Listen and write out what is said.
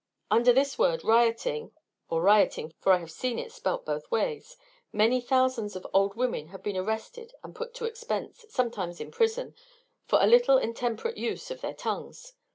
Under this word rioting, or riotting (for I have seen it spelt both ways), many thousands of old women have been arrested and put to expense, sometimes in prison, for a little intemperate use of their tongues.